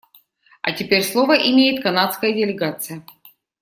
А теперь слово имеет канадская делегация.